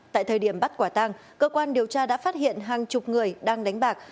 tại thời điểm bắt quả tăng cơ quan điều tra đã phát hiện hàng chục người đang đánh bạc